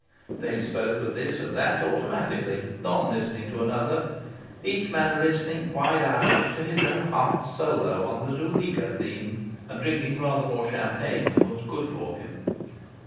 They spoke of this and that, automatically, none listening to another each man listening, wide eyed, to his own heart's solo on the Zuleika theme, and drinking rather more champagne than was good for him.